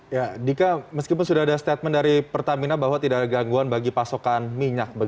ya dika meskipun sudah ada statement dari pertamina bahwa tidak ada gangguan bagi pasokan minyak